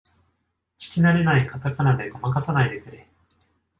聞きなれないカタカナでごまかさないでくれ